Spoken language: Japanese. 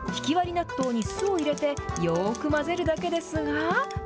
納豆に酢を入れて、よーく混ぜるだけですが。